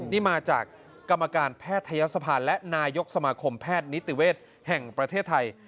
นี่มาจากกรรมการแพทยศภาและนายกสมาคมแพทย์นิติเวศแห่งประเทศไทย